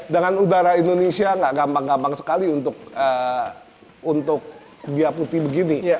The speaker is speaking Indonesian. dengan udara indonesia nggak gampang gampang sekali untuk dia putih begini